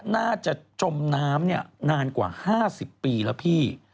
จมน้ำนานกว่า๕๐ปีแล้วพี่